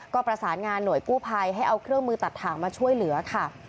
ก็ประสานงานหน่วยกู้ภัยให้เอาเครื่องมือตัดถ่างมาช่วยเหลือค่ะ